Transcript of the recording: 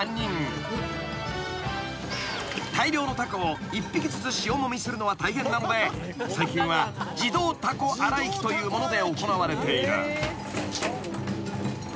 ［大量のタコを１匹ずつ塩もみするのは大変なので最近は自動タコ洗い機というもので行われている］